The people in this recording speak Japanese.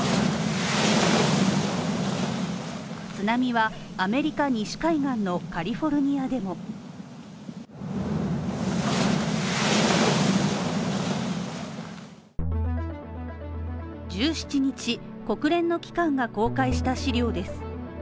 津波は、アメリカ西海岸のカリフォルニアでも１７日、国連の機関が公開した資料です。